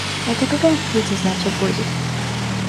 Это какая птица, значит, будет?